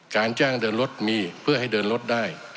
การจ้างเดินรถมีเพื่อให้เดินรถได้